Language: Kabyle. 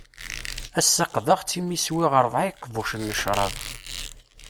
Ass-a qqdeɣ-tt imi swiɣ rebɛa n yiqbucen n cṛab.